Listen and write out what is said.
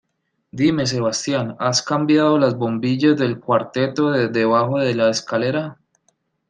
Dime, Sebastián, ¿has cambiado las bombillas del cuarteto de debajo de la escalera?